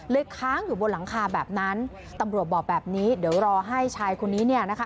ค้างอยู่บนหลังคาแบบนั้นตำรวจบอกแบบนี้เดี๋ยวรอให้ชายคนนี้เนี่ยนะคะ